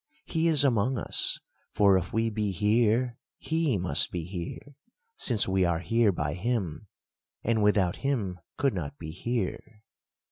He is among us ; for if we be here, he must be here ; since we are here by him, and without him could not be here."